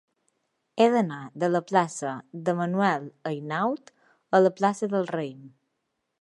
He d'anar de la plaça de Manuel Ainaud a la plaça del Raïm.